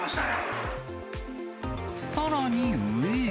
さらに上へ。